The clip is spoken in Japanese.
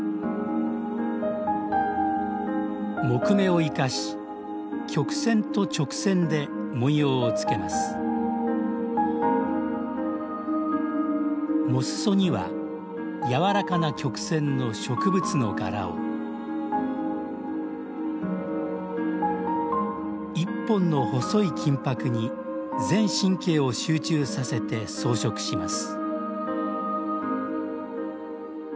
木目を生かし曲線と直線で文様をつけます裳裾にはやわらかな曲線の植物の柄を一本の細い金ぱくに全神経を集中させて装飾します